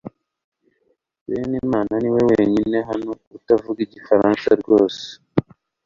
Benimana niwe wenyine hano utavuga igifaransa srwose